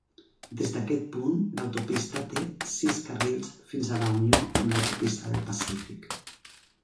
Des d'aquest punt, l'autopista té sis carrils fins a la unió amb l'autopista del Pacífic.